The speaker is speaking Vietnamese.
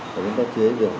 mà chúng ta chế được